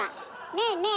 ねえねえ